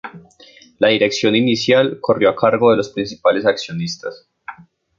La dirección inicial corrió a cargo de los principales accionistas.